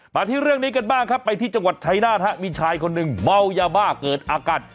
มาที่เรื่องนี้กันบ้างครับไปที่จังหวัดชายนาฏฮะมีชายคนหนึ่งเมายาบ้าเกิดอากาศ